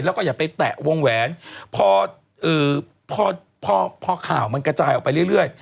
แล้วก็อย่าไปแตะวงแหวนพอพอข่าวมันกระจายออกไปเรื่อย